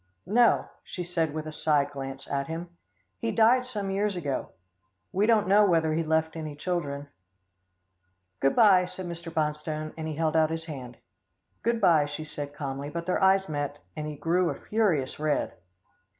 "No," she said with a side glance at him. "He died some years ago. We don't know whether he left any children." "Good bye," said Mr. Bonstone, and he held out his hand. "Good bye," she said calmly, but their eyes met, and he grew a furious red.